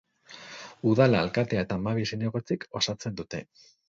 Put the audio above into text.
Udala alkatea eta hamabi zinegotzik osatzen dute.